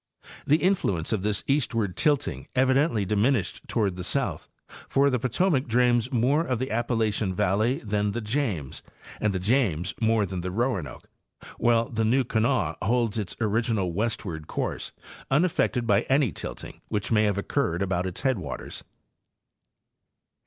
'The influence of this eastward tilting evidently dimin ished toward the south, for the Potomac drains more of the Ap palachian valley than the James, and the James more than the Roanoke, while the New Kanawha holds its original westward course, unaffected by any tilting which may have occurred about its headwaters.